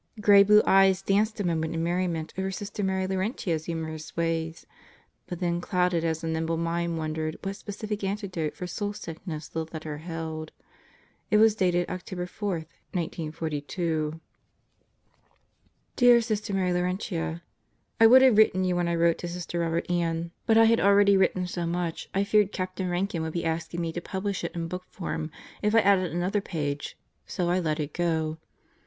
Gray blue eyes danced a moment in merriment over Sister Mary Laurentia's humorous ways, but then clouded as a nimble mind wondered what specific antidote for soul sick ness the letter held. It was dated October 4, 1942. Dear Sister Mary Laurentia: I would have written you when I wrote to Sister Robert Ann, but I had already written so much I feared Captain Rankin would be asking me to publish it in book form if I added another page, so I let it go.